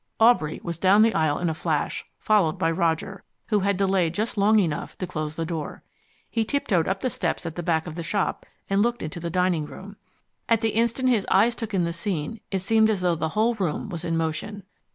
Aubrey was down the aisle in a flash, followed by Roger, who had delayed just long enough to close the door. He tiptoed up the steps at the back of the shop and looked into the dining room. At the instant his eyes took in the scene it seemed as though the whole room was in motion.